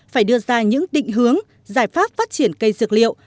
phải đưa ra những định hướng giải pháp phát triển cây dược liệu